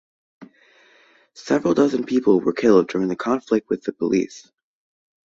Several dozen people were killed during the conflict with the police.